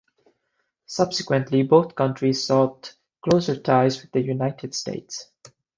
Subsequently, both countries sought closer ties with the United States.